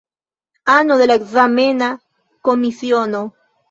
Ano de la ekzamena komisiono.